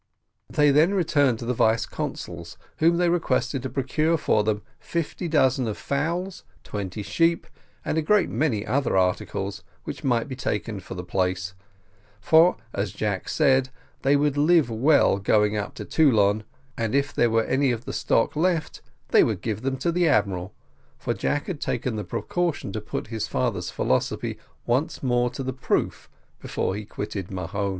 They then returned to the vice consul's, whom they requested to procure for them fifty dozen of fowls, twenty sheep, and a great many other articles, which might be obtained at the place; for, as Jack said, they would live well going up to Toulon, and if there were any of the stock left, they would give them to the admiral, for Jack had taken the precaution to put his father's philosophy once more to the proof, before he quitted Mahon.